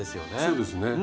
そうですね。